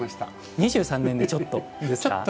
２３年でちょっとですか？